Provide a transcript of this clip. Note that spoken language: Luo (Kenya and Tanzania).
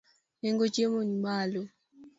Nengo chiemo nimalo.